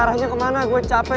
arahnya kemana gue capek